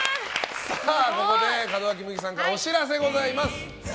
ここで、門脇麦さんからお知らせがございます。